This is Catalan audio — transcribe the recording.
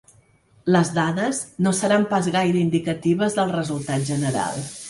Les dades no seran pas gaire indicatives del resultat general.